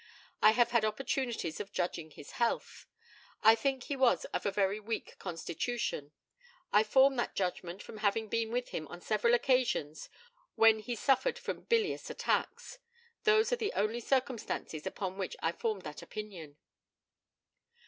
I have had opportunities of judging of his health. I think he was of a very weak constitution. I form that judgment from having been with him on several occasions when he suffered from bilious attacks. Those are the only circumstances upon which I formed that opinion.